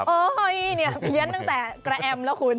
โอ้โฮเนี่ยเย็นตั้งแต่กระแอมแล้วคุณ